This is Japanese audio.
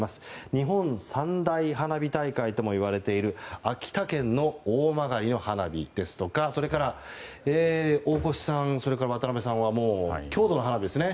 日本三大花火大会ともいわれている秋田県の大曲の花火ですとかそれから大越さん、渡辺さんは郷土の花火ですね。